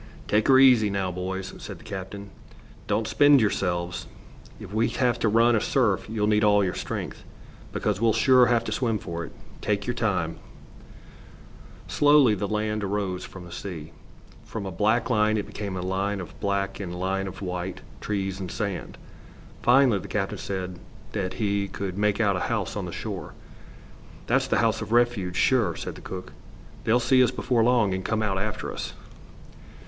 "Take her easy, now, boys," said the captain. "Don't spend yourselves. If we have to run a surf you'll need all your strength, because we'll sure have to swim for it. Take your time." Slowly the land arose from the sea. From a black line it became a line of black and a line of white, trees and sand. Finally, the captain said that he could make out a house on the shore. "That's the house of refuge, sure," said the cook. "They'll see us before long, and come out after us."